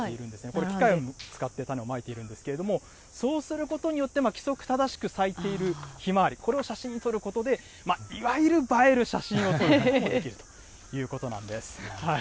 これ機械を使って種をまいているんですけれども、そうすることによって、規則正しく咲いているひまわり、これを写真に撮ることで、いわゆる映える写真を撮ることができるということなんです。